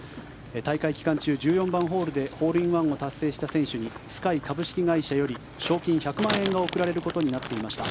大会期間中１４番ホールでホールインワンを達成した選手にＳｋｙ株式会社より賞金１００万円が贈られることになっていました。